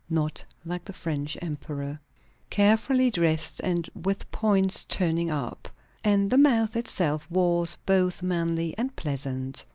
not like the French emperor), carefully dressed and with points turning up; and the mouth itself was both manly and pleasant.